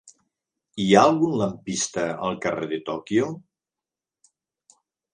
Hi ha algun lampista al carrer de Tòquio?